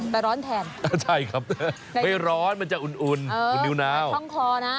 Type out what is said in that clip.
แต่ร้อนแทนใช่ครับไม่ร้อนมันจะอุ่นคุณนิวนาวคล่องคลอนะ